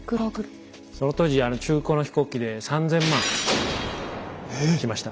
その当時中古の飛行機で３０００万しました。